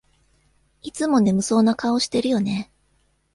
いつも眠そうな顔してるよね